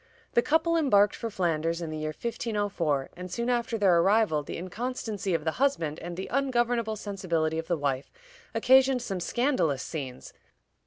The couple embarked for Flanders in the year 1504, and soon after their arrival the inconstancy of the husband and the ungovernable sensibility of the wife occasioned some scandalous scenes.